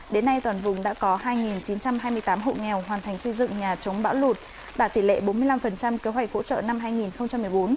đến nay toàn vùng đã có hai chín trăm hai mươi tám hộ nghèo hoàn thành xây dựng nhà chống bão lụt đạt tỷ lệ bốn mươi năm kế hoạch hỗ trợ năm hai nghìn một mươi bốn